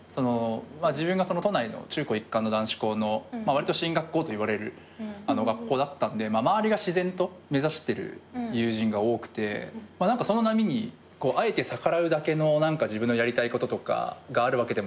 自分が都内の中高一貫の男子校のわりと進学校といわれる学校だったんで周りが自然と目指してる友人が多くて何かその波にあえて逆らうだけの自分のやりたいこととかがあるわけでもないし。